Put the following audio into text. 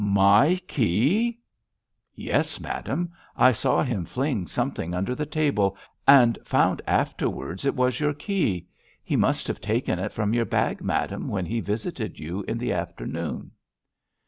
"My key?" "Yes, madame; I saw him fling something under the table, and found afterwards it was your key. He must have taken it from your bag, madame, when he visited you in the afternoon."